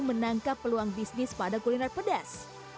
menangkap peluang bisnis pada kuliner pedas